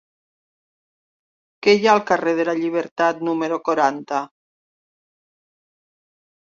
Què hi ha al carrer de la Llibertat número quaranta?